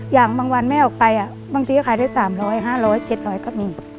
อย่างบางวันแม่ออกไปบางทีก็ขายได้๓๐๐๕๐๐๗๐๐ก็มี